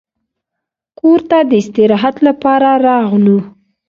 کور ته د استراحت لپاره راغلو.